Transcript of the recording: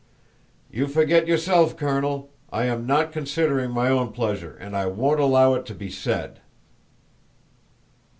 "You forget yourself, Colonel. I am not considering my own pleasure and I won't allow it to be said!"